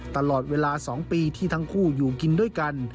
ตลอดเวลา๒ปีที่ทั้งคู่อยู่กินด้วยกัน